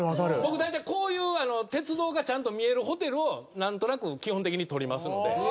僕大体こういう鉄道がちゃんと見えるホテルをなんとなく基本的に取りますので。